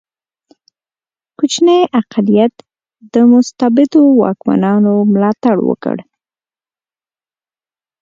کوچنی اقلیت د مستبدو واکمنانو ملاتړ وکړي.